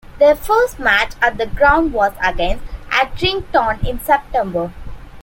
Their first match at the ground was against Accrington in September.